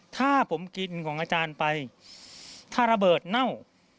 ถ้าผมกินของอาจารย์ไปถ้าระเบิดเน่า